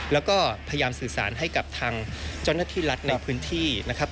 แล้วก็พยายามสื่อสารให้กับทางเจ้าหน้าที่รัฐในพื้นที่นะครับ